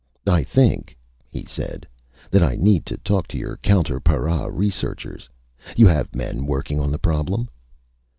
"I think," he said, "that I need to talk to your counter para researchers. You have men working on the problem?"